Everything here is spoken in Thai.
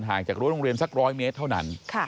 จากรั้วโรงเรียนสัก๑๐๐เมตรเท่านั้น